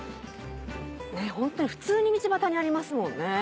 ホントに普通に道端にありますもんね。